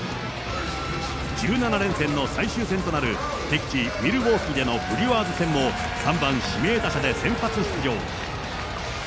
１７連戦の最終戦となる敵地、ミルウォーキーでのブリュワーズ戦も、３番指名打者で先発出場。